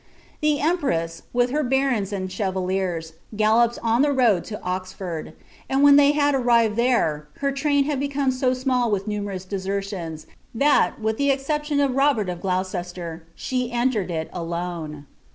The empress, with her barons and chevaliers, galloped on the rnod M Oxford ; and when they had arrived there, her train had becomn mi nnill with numerous desertions, that, with ihe exception of Robert of Gloo c«Bler, she entered it alone.